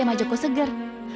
sama joko seger